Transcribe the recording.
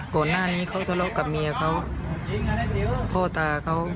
ก่อนหน้านี้เขาทะเลาะกับเมียเขาพ่อตาเขา